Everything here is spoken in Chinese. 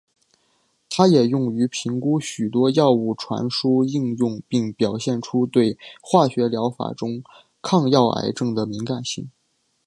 它也用于评估许多药物传输应用并表现出对化学疗法中抗药癌症的敏感性。